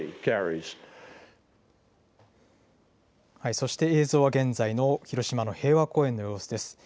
そして映像は現在の広島の平和公園の様子です。